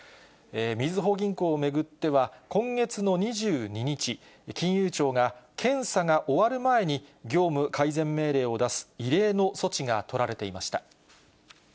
みずほ銀行を巡っては、今月の２２日、金融庁が検査が終わる前に業務改善命令を出す、異例の措置が取られていました。